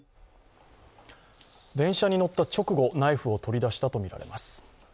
電車に乗った直後ナイフを取り出したとみられます。